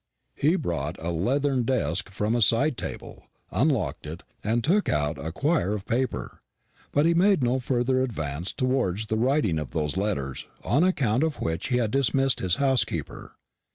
He brought a leathern desk from a side table, unlocked it, and took out a quire of paper; but he made no further advance towards the writing of those letters on account of which he had dismissed his housekeeper.